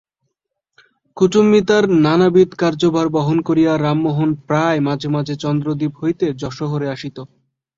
কুটুম্বিতার নানাবিধ কার্যভার বহন করিয়া রামমােহন প্রায় মাঝে মাঝে চন্দ্রদ্বীপ হইতে যশােহরে আসিত।